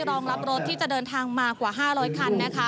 รองรับรถที่จะเดินทางมากว่า๕๐๐คันนะคะ